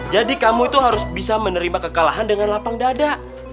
jadi kamu itu harus bisa menerima kekalahan dengan lapang dada